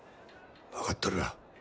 分かっとるわ。